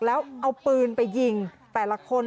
แล้วเอาปืนไปยิงแต่ละคน